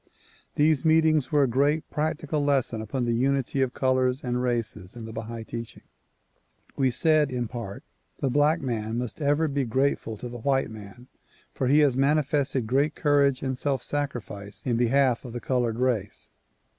These meetings were a great practical lesson upon the unity of colors and races in the Bahai teaching. We said in part: The black man must ever be grateful to the white man for he has manifested great courage and self sacrifice in behalf of the colored race.